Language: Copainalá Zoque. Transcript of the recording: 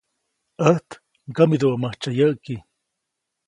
ʼÄjt mkämidubäʼmäjtsyä yäʼki.